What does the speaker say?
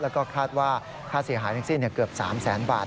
แล้วก็คาดว่าค่าเสียหายในสิ้นเกือบ๓๐๐๐๐๐บาท